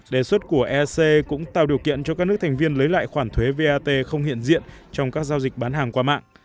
đề xuất của eec cũng tạo điều kiện cho các nước thành viên lấy lại khoản thuế vat không hiện diện trong các giao dịch bán hàng qua mạng